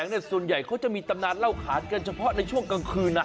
ส่วนใหญ่เขาจะมีตำนานเล่าขานกันเฉพาะในช่วงกลางคืน